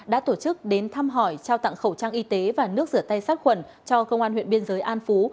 đã tổ chức đến thăm hỏi trao tặng khẩu trang y tế và nước rửa tay sát khuẩn cho công an huyện biên giới an phú